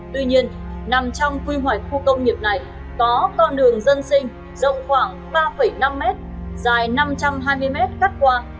tuy nhiên nằm trong quy hoạch khu công nghiệp này có con đường dân sinh rộng khoảng ba năm m dài năm trăm hai mươi m gắt qua